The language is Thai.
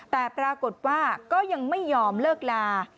แต่ปรากฏว่าก็ยังไม่ยอมเลิกลา